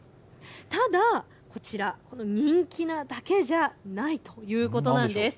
ただ、こちら、人気なだけじゃないということなんです。